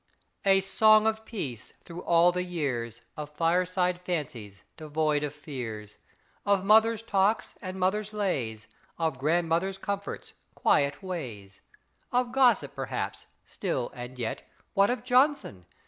... A song of peace, through all the years, Of fireside fancies, devoid of fears, Of mothers' talks and mothers' lays, Of grandmothers' comforts quiet ways. Of gossip, perhaps still and yet What of Johnson?